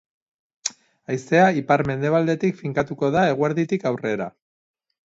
Haizea ipar-mendebaldetik finkatuko da eguerditik aurrera.